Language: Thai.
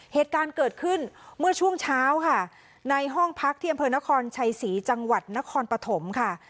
เหตุการณ์เกิดขึ้นเมื่อช่วงเช้าค่ะในห้องพักที่อำเภอนครชัยศรีจังหวัดนครปฐมค่ะ